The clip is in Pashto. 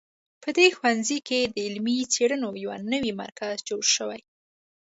په دې ښوونځي کې د علمي څېړنو یو نوی مرکز جوړ شوی